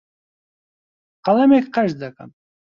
قەڵەمێک قەرز دەکەم.